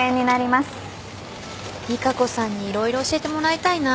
利佳子さんに色々教えてもらいたいな。